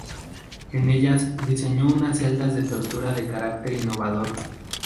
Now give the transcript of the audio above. En ellas, diseñó unas celdas de tortura de carácter innovador.